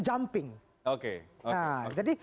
jumping oke nah jadi